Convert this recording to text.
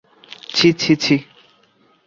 ছি ছি ছি।